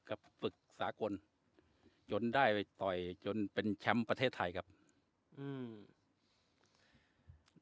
ฝึกสากลจนได้ไปต่อยจนเป็นแชมป์ประเทศไทยครับอืม